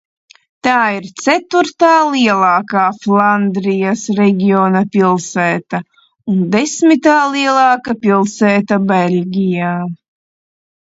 Tā ir ceturtā lielākā Flandrijas reģiona pilsēta un desmitā lielākā pilsēta Beļģijā.